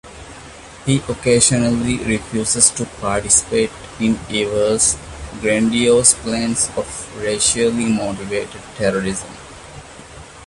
He occasionally refuses to participate in Evers' grandiose plans of racially motivated terrorism.